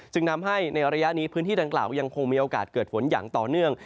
จึงทำให้ในระยะนี้พื้นที่ดังกล่าวยังคงมีโอกาสเกิดฝนอย่างต่อเนื่อง